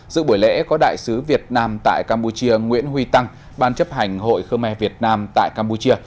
giữa buổi lễ có đại sứ việt nam tại campuchia nguyễn huy tăng ban chấp hành hội khơ me việt nam tại campuchia